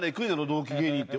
同期芸人」って。